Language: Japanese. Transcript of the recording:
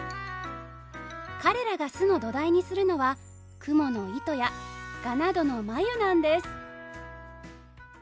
彼らが巣の土台にするのはクモの糸やガなどのまゆなんです。